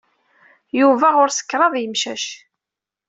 Yuba ɣur-s kraḍ yemcac.